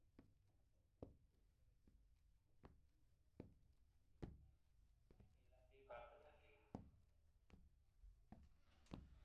আর তখন থেকেই দেশে কিসের দাম লাফিয়ে লাফিয়ে বাড়তে থাকে?